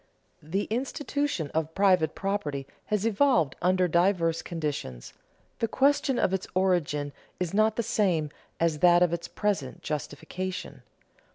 _The institution of private property has evolved under diverse conditions; the question of its origin is not the same as that of its present justification.